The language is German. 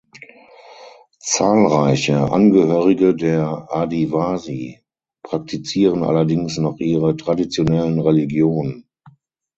Zahlreiche Angehörige der Adivasi praktizieren allerdings noch ihre traditionellen Religionen.